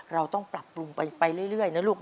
เราต้องปรับปรุงไปเรื่อยนะลูก